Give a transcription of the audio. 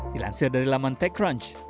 dilansir dari laman techcrunch